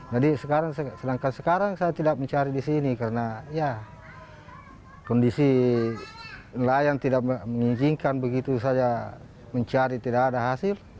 jadi sekarang sedangkan sekarang saya tidak mencari di sini karena ya kondisi nelayan tidak menyingkirkan begitu saja mencari tidak ada hasil